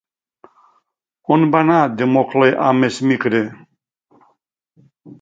On va anar Democle amb Esmicre?